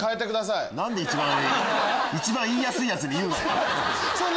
一番言いやすいヤツに言うな！